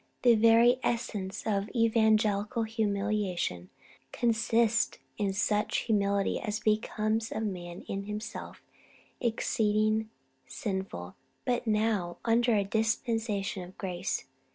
The very essence of evangelical humiliation consists in such humility as becomes a man in himself exceeding sinful but now under a dispensation of grace.